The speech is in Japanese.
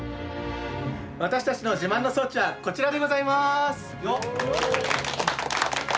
私たちの自慢の装置はこちらでございまーす！